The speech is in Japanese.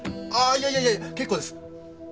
いやいや結構です。